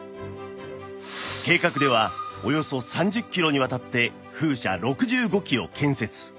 計画ではおよそ３０キロにわたって風車６５基を建設